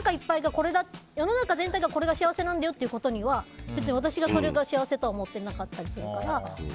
だけど、世の中全体がこれが幸せなんだよっていうことには別に私がそれが幸せだとは思ってなかったりするから。